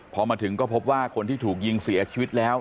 พอมาถึงก็พบว่าคนที่ถูกยิงเสียชีวิตแล้ว